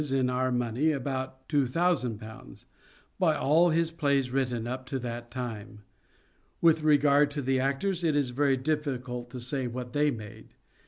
in our money, about ^2000 — by all his plays written up to that time. With regard to the actors, it is very difficult to say what they made.